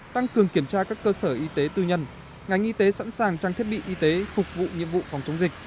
tăng cường kiểm tra các cơ sở y tế tư nhân ngành y tế sẵn sàng trang thiết bị y tế phục vụ nhiệm vụ phòng chống dịch